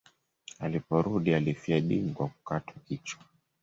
Aliporudi alifia dini kwa kukatwa kichwa.